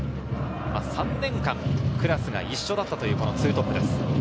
３年間クラスが一緒だったというこの２トップです。